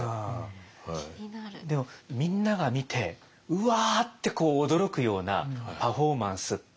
でもみんなが見てうわって驚くようなパフォーマンスって。